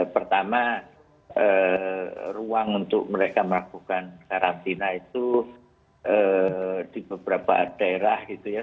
pertama ruang untuk mereka melakukan karantina itu di beberapa daerah gitu ya